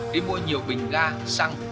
đi mua nhiều bình ga xăng